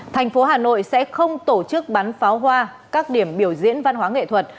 thành phố hà nội sẽ không tổ chức bắn pháo hoa các điểm biểu diễn văn hóa nghệ thuật